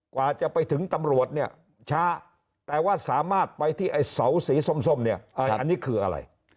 กว่าจะไปถึงตำรวจเนี่ยช้าแต่ว่าสามารถไปที่ไอ้เสาสีส้มเนี่ยอันนี้คืออะไร